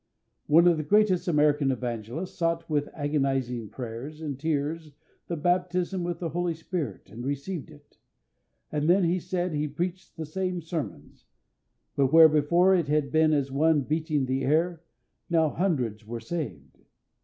One of the greatest of American evangelists sought with agonising prayers and tears the baptism with the Holy Spirit, and received it; and then he said he preached the same sermons; but where before it had been as one beating the air, now hundreds were saved.